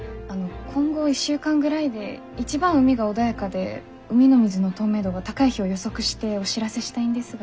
今後１週間ぐらいで一番海が穏やかで海の水の透明度が高い日を予測してお知らせしたいんですが。